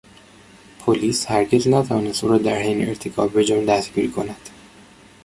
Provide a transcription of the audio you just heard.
پلیس هرگز نتوانست او را در حین ارتکاب به جرم دستگیر کند.